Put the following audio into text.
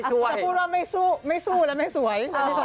จะพูดว่าไม่สู้แล้วไม่สวย